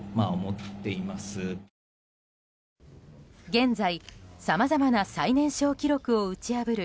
現在、さまざまな最年少記録を打ち破る